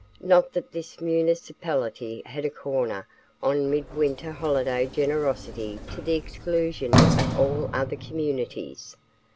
Not that this municipality had a corner on mid winter holiday generosity to the exclusion of all other communities.